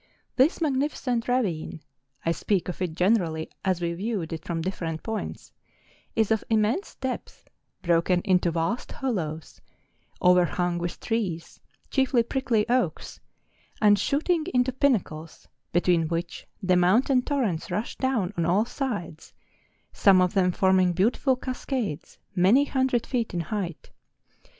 This magnificent ravine (I speak of it gene¬ rally, as we viewed it from different points) is of immense depth, broken into vast hollows, overhung with trees, chiefly prickly oaks, and shooting into pinnacles, between which the mountain torrents rush down on all sides, some of them forming beautiful cascades, many hundred feet in height.